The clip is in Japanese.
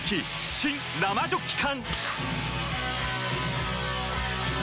新・生ジョッキ缶！